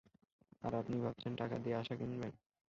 আর আপনি ভাবছেন, টাকা দিয়ে আশা কিনবেন?